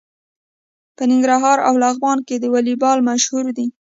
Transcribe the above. په ننګرهار او لغمان کې والیبال مشهور دی.